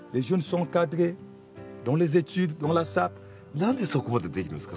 何でそこまでできるんですか？